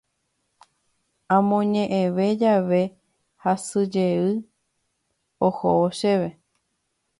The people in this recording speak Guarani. Amoñe'ẽve jave hasyve'ỹ ohóvo chéve.